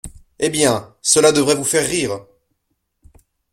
Eh bien, cela devrait vous faire rire !